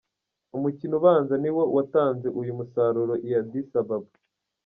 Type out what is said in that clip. Umukino ubanza niwo watanze uyu musaruro i Addis Ababa.